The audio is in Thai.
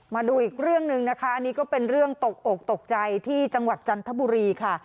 มาดูอีกเรื่องหนึ่งนะคะอันนี้ก็เป็นเรื่องตกอกตกใจที่จังหวัดจันทบุรีค่ะ